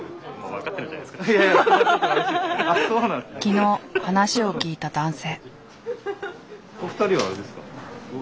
昨日話を聞いた男性。